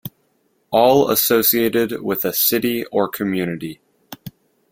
All associated with a city or community.